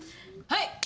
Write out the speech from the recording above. はい！